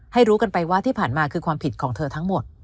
รู้กันไปว่าที่ผ่านมาคือความผิดของเธอทั้งหมด